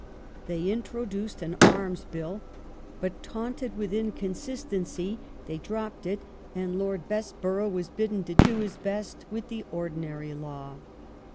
They intro duced an Arms Bill, but taunted with inconsistency they dropped it, and Lord Bessborough was bidden to do his best with the ordinary law.